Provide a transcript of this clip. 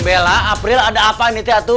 bella april ada apa nih tia tu